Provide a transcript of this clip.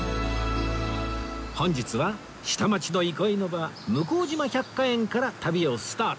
本日は下町の憩いの場向島百花園から旅をスタート